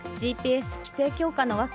ＧＰＳ規制強化の訳。